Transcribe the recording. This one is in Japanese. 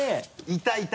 いたいた！